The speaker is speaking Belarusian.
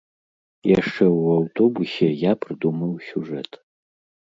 Яшчэ ў аўтобусе, я прыдумаў сюжэт.